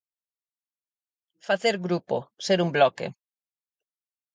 Facer grupo, ser un bloque.